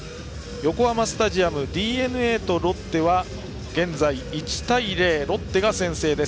横浜スタジアムＤｅＮＡとロッテは現在、１対０とロッテが先制です。